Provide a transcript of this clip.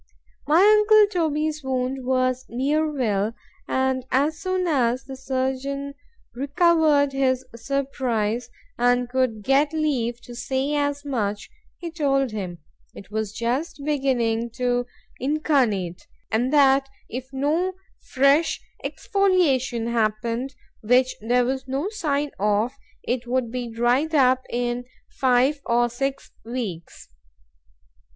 My uncle Toby's wound was near well, and as soon as the surgeon recovered his surprize, and could get leave to say as much——he told him, 'twas just beginning to incarnate; and that if no fresh exfoliation happened, which there was no sign of,—it would be dried up in five or six weeks.